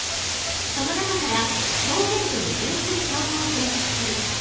その中から証言とムジュンする証拠を選択する。